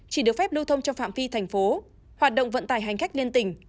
chỉ được phép lưu thông trong phạm phi thành phố hoạt động vận tài hành khách liên tình